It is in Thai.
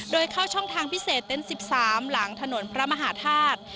โดยเข้าช่องทางพิเศษเต็นต์๑๓หลังถนนพระมหาธาตุ